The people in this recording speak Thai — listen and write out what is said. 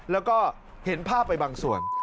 แล้วก็เห็นภาพไปบางส่วน